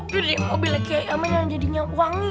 jadi mobilnya kayaknya yang jadinya wangi